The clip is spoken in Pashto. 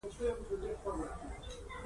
یعنې سیاسي بې ثباتي یو محدودیت دی.